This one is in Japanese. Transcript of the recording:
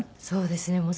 そうですね。